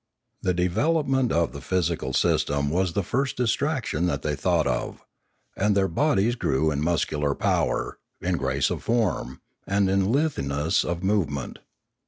The development of the physical system was the first distraction that they thought of; and their bodies grew in muscular power, in grace of form, and in litheness of movement.